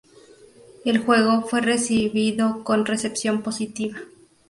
El juego fue recibido con recepción positiva.